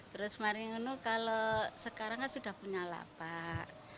terus sekarang kan sudah punya lapak